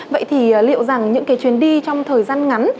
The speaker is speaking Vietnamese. vậy thì liệu rằng những cái chuyến đi trong thời gian ngắn